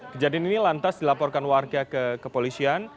kejadian ini lantas dilaporkan warga ke kepolisian